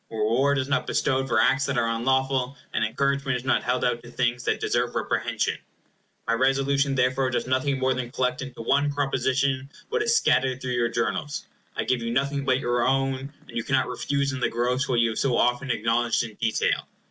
Reward is not bestowed for acts that are unlawful; and encouragement is not held out to things that deserve reprehension. My Resolution therefore does nothing more than collect into one proposition what is scattered through your Journals. I give you nothing but your own; and you cannot refuse in the gross what you have so often acknowledged in detail.